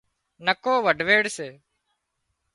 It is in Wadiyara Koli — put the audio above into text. نڪو وڍويڙ سي